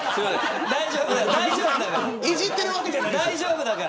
大丈夫だから。